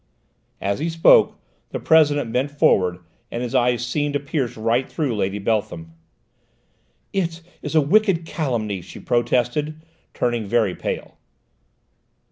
As he spoke the President bent forward, and his eyes seemed to pierce right through Lady Beltham. "It is a wicked calumny," she protested, turning very pale.